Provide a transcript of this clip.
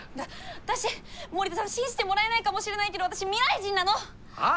私森田さん信じてもらえないかもしれないけど私未来人なの。はあ？